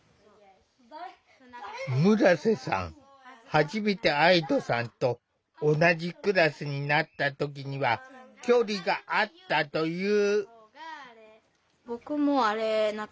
初めて愛土さんと同じクラスになった時には距離があったという。